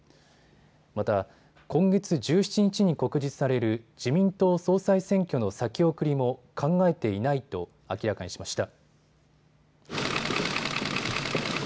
また今月１７日に告示される自民党総裁選挙の先送りも考えていないと明らかにしました。